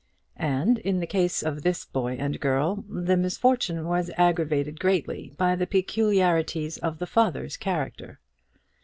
And, in the case of this boy and girl the misfortune was aggravated greatly by the peculiarities of the father's character.